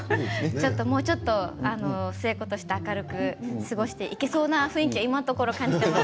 もう少し、寿恵子として明るく過ごしていけそうな雰囲気は今のところ感じています。